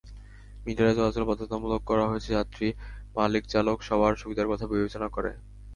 মিটারে চলাচল বাধ্যতামূলক করা হয়েছে যাত্রী, মালিক-চালক সবার সুবিধার কথা বিবেচনা করে।